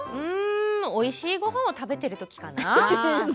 おいしいごはんを食べているときかな？